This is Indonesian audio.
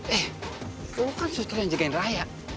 eh lo kan suster yang jagain raya